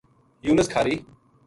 یونس کھاہری